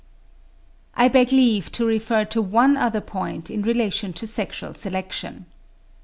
I beg leave to refer to one other point in relation to sexual selection.